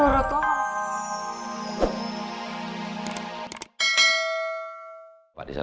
ya menurut lo